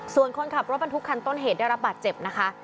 ส่วนคนขับรถบรรทุกคันต้นเหตุได้รับบาดเจ็บนะคะ